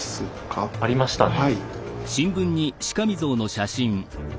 あっありましたね。